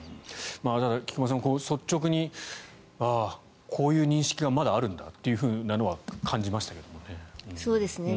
菊間さん、率直にああ、こういう認識がまだあるんだというなのは感じましたけどね。